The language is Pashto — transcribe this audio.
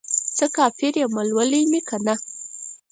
څه کافر یمه ، لولی مې کنه